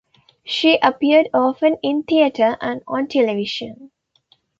She appeared often in theatre and on television.